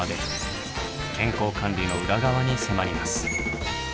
健康管理の裏側に迫ります。